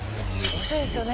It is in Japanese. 面白いですよね。